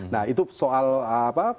nah itu soal apa